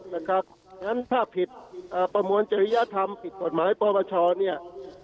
ฉะนั้นถ้าผิดประมวลเจริญธรรมผิดกฎหมายประวัติศาสตร์เนี่ย